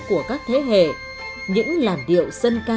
của các thế hệ những làn điệu dân ca dân vũ sứ thanh